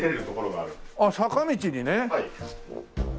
ああ坂道にね。